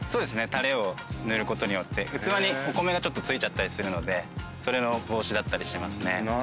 タレを塗ることによって器にお米がちょっと付いちゃったりするのでそれの防止だったりしますね。